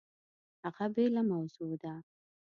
هغه بېله موضوع ده!